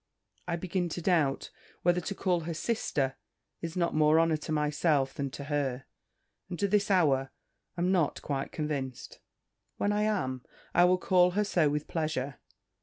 I begin to doubt, whether to call her sister, is not more honour to myself than to her; and to this hour am not quite convinc'd. When I am, I will call her so with pleasure."